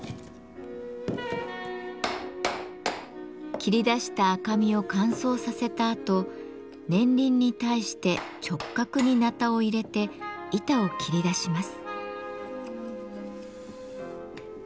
切り出した赤身を乾燥させたあと年輪に対して直角にナタを入れて板を切り出します。